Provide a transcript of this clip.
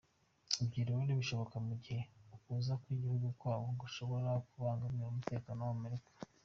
Ivyo rero bishoboka mu gihe ukuza mu gihugu kwabo gushobora kubangamira umutekano wa Amerika.